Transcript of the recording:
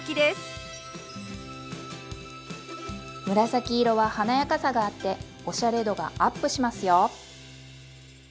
紫色は華やかさがあっておしゃれ度がアップしますよ。